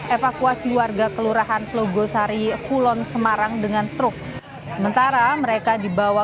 evakuasi warga kelurahan telogosari kulon semarang dengan truk sementara mereka dibawa